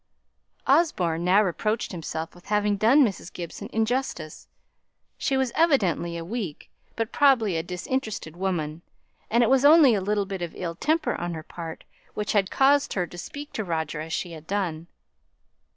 Osborne now reproached himself with having done Mrs. Gibson injustice. She was evidently a weak, but probably a disinterested, woman; and it was only a little bit of ill temper on her part which had caused her to speak to Roger as she had done.